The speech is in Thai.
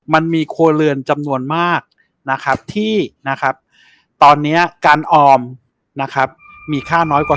มันมีโคเลินจำนวนมากที่ตอนนี้การออมมีค่าน้อยกว่า๐